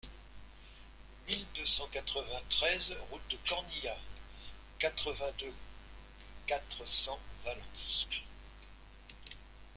mille deux cent quatre-vingt-treize route de Cornillas, quatre-vingt-deux, quatre cents, Valence